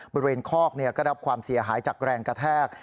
บริเวณคอกก็รับความเสียหายจากแรงกระแทก